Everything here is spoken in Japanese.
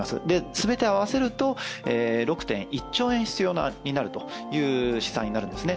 全て合わせると６．１兆円必要になるという試算になるんですね。